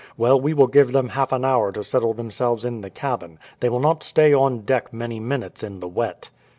Well, we will give them half an hour to settle themselves in the cabin. They will not stay on deck many minutes in the wet."